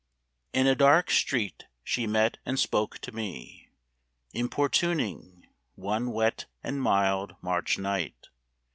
In a dark street she met and spoke to me, Importuning, one wet and mild March night.